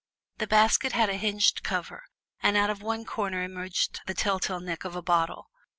The basket had a hinged cover, and out of one corner emerged the telltale neck of a bottle.